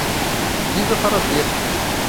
Viva para ver